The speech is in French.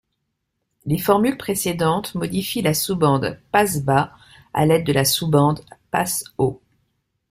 Les formules précédentes modifient la sous-bande passe-bas à l’aide de la sous-bande passe-haut.